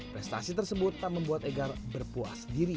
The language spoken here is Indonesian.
prestasi tersebut tak membuat egar berpuas diri